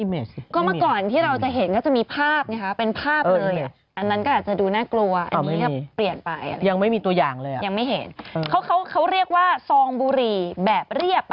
มาก่อนที่เราจะเห็นก็จะมีภาพเป็นภาพเลยอันนั้นก็อาจจะดูน่ากลัวยังไม่มีตัวอย่างเลยครับ